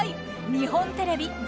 日本テレビ「ザ！